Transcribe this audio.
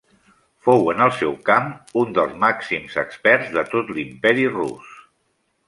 Fou en el seu camp un dels màxims experts de tot l'Imperi Rus.